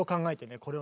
これをね